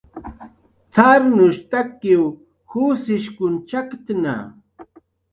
"T""arnushtakiw jusshiskun chakktna"